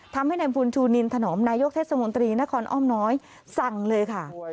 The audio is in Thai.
ทำให้นายบุญชูนินถนอมนายกเทศมนตรีนครอ้อมน้อยสั่งเลยค่ะ